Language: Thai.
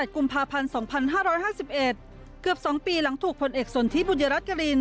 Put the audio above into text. ๒๘กุมภาพันธ์๒๕๕๑เกือบสองปีหลังถูกผลเอกส่วนที่บุญญารัฐกรีน